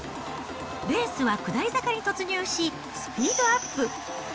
レースは下り坂に突入し、スピードアップ。